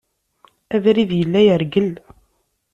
Abrid yella yergel.